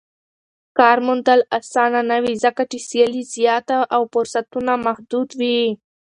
کار موندل اسانه نه وي ځکه چې سيالي زياته او فرصتونه محدود وي.